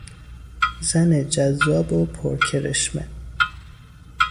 زن جذاب و پرکرشمه